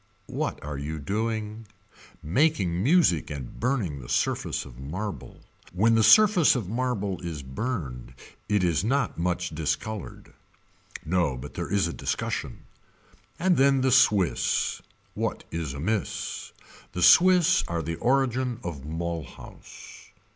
What are you doing. Making music and burning the surface of marble. When the surface of marble is burned it is not much discolored. No but there is a discussion. And then the Swiss. What is amiss. The Swiss are the origin of Mulhouse.